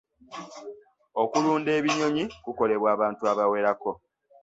Okulunda ebinyonyi kukolebwa abantu abawerako.